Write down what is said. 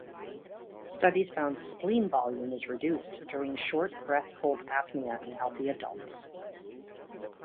Studies found spleen volume is reduced during short breath-hold apnea in healthy adults.